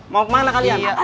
mau kemana kalian